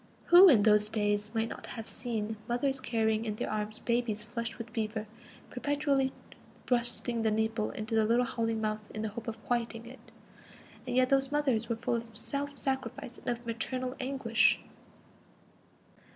Who in those days might not have seen mothers carrying in their arms babies flushed with fever, perpetually thrusting the nipple into the little howling mouth in the hope of quieting it? And yet those mothers were full of self sacrifice and of maternal anguish!